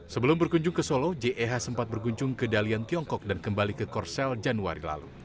sebelum berkunjung ke solo jeh sempat berkunjung ke dalian tiongkok dan kembali ke korsel januari lalu